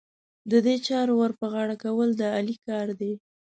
د دې چارې ور پر غاړه کول، د علي کار دی.